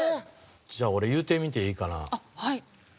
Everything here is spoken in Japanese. じゃあ俺言うてみてええかな？はい。